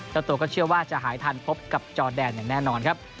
เจ้าตัวก็เชื่อว่าจะหายทันพบกับจอแดนอย่างแน่นอนครับ